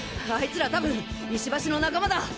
あいつら多分石橋の仲間だ！